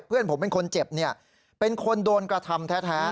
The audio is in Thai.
เพื่อนผมเป็นคนเจ็บเนี่ยเป็นคนโดนกระทำแท้